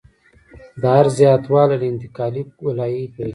د عرض زیاتوالی له انتقالي ګولایي پیلیږي